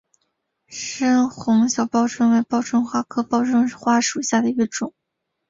深红小报春为报春花科报春花属下的一个种。